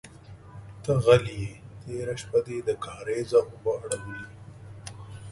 _ته غل يې، تېره شپه دې د کارېزه اوبه اړولې.